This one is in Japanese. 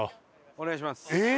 お願いします。